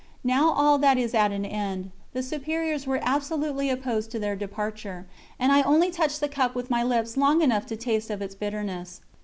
Now all that is at an end; the superiors were absolutely opposed to their departure, and I only touched the cup with my lips long enough to taste of its bitterness.